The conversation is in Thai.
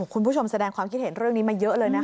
คุณผู้ชมแสดงความคิดเห็นเรื่องนี้มาเยอะเลยนะคะ